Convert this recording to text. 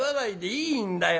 いいんだよ